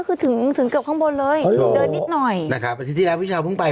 เกือบมันต้องเดินที่ไปใช่ไหม